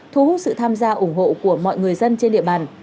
thu hút sự tham gia ủng hộ của mọi người dân trên địa bàn